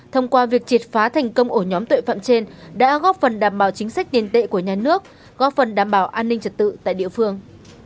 thông qua việc triệt phá thành công ổ nhóm tội phạm trên đã góp phần đảm bảo chính sách tiền tệ của nhà nước góp phần đảm bảo an ninh trật tự tại địa phương